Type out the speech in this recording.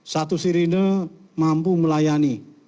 satu sirine mampu melayani